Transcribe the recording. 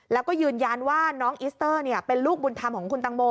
แล้วก็ยืนยันว่าน้องอิสเตอร์เป็นลูกบุญธรรมของคุณตังโม